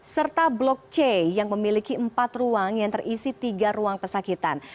serta blok c yang memiliki empat ruang yang terisi tiga ruang pesakitan